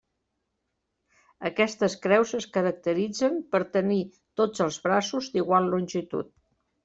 Aquestes creus es caracteritzen per tenir tots els braços d'igual longitud.